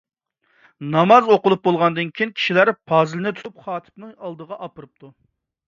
ناماز ئوقۇلۇپ بولغاندىن كېيىن، كىشىلەر پازىلنى تۇتۇپ خاتىپنىڭ ئالدىغا ئاپىرىپتۇ.